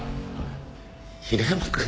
平山くん。